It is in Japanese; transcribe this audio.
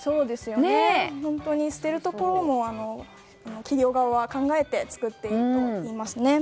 本当に捨てるところも企業側は考えて作っているんですね。